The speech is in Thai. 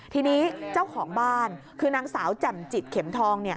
ทีนี้เจ้าของบ้านคือนางสาวแจ่มจิตเข็มทอง